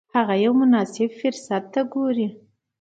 هغه یو مناسب فرصت ته ګوري.